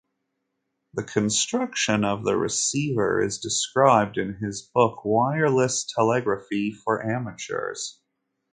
The construction of the receiver is described in his book "Wireless Telegraphy for Amateurs".